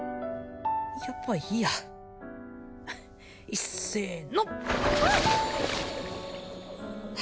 やっぱいいやいっせーのあっは